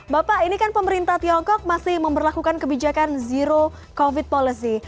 bapak ini kan pemerintah tiongkok masih memperlakukan kebijakan zero covid policy